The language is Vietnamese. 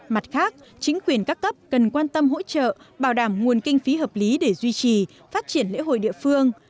mặt khác chính quyền các cấp cần quan tâm hỗ trợ bảo đảm nguồn kinh phí hợp lý để duy trì phát triển lễ hội địa phương